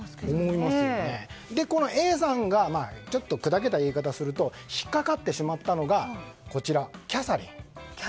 このＡさんが砕けた言い方をすると引っかかってしまったのがキャサリン。